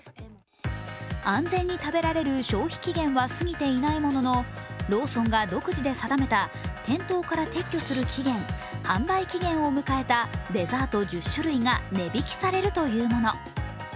安全に食べられる消費期限は過ぎていないもののローソンが独自で定めて店頭から撤去する期限、販売期限を迎えたデザート１０種類が値引きされるというもの。